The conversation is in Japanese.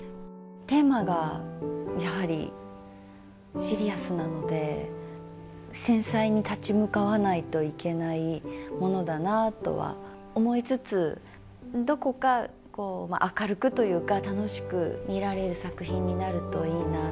テーマがやはりシリアスなので繊細に立ち向かわないといけないものだなとは思いつつどこかこう明るくというか楽しく見られる作品になるといいなと。